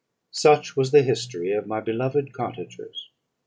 "Such was the history of my beloved cottagers.